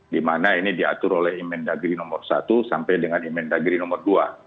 dimana ini diatur oleh imen dagiri nomor satu sampai dengan imen dagiri nomor dua